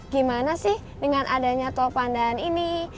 gimana sih dengan adanya tol pandaan ini